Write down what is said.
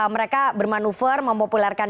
mereka bermanuver memopularkan